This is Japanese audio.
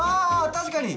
確かに！